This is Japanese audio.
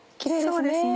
そうですね。